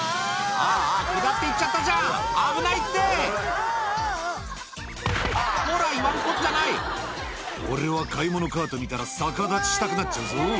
あぁ下って行っちゃったじゃん危ないってほら言わんこっちゃない「俺は買い物カート見たら逆立ちしたくなっちゃうぞ」